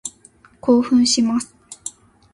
興奮します。